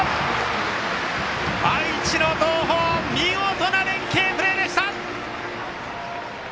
愛知の東邦見事な連係プレーでした！